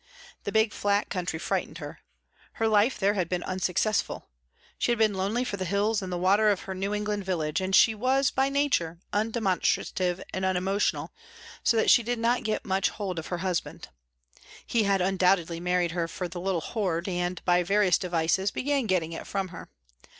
The big flat country frightened her. Her life there had been unsuccessful. She had been lonely for the hills and the water of her New England village, and she was, by nature, undemonstrative and unemotional, so that she did not get much hold of her husband. He had undoubtedly married her for the little hoard and, by various devices, began getting it from her.